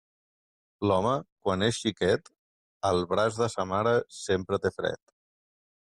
L'home, quan és xiquet, al braç de sa mare, sempre té fred.